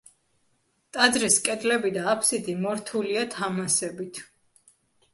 ტაძრის კედლები და აფსიდი მორთულია თამასებით.